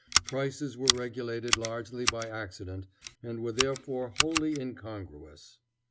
Prices were regulated largely by accident, and were therefore wholly incongruous.